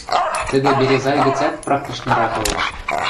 Тӹдӹ Березай гӹцӓт практичныйрак ылеш.